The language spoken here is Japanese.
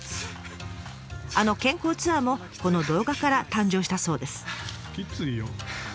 あの健康ツアーもこの動画から誕生したそうです。